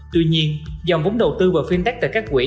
tuy nhiên dòng vốn đầu tư vào fintech tại các quỹ